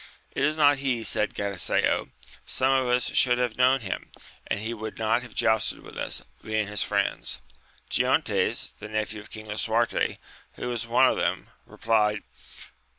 It is not he, said Galiseo, some of us should have known him, and he would not have jousted with us, being his friends. Giontes, the nephew of King Lisuarte who was one of them, replied.